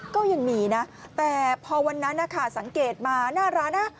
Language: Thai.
ก็ยังมีนะแต่พอวันนั้นนะคะสังเกตมาหน้าร้านนะ